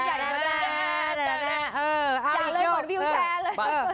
อย่างเลยหมดวิวแชร์เลย